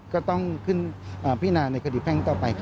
ก็ต้องขึ้นพินาในคดีแพ่งต่อไปครับ